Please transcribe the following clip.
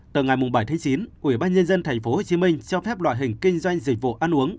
từ ngày bảy chín ủy ban nhân dân thành phố hồ chí minh cho phép loại hình kinh doanh dịch vụ ăn uống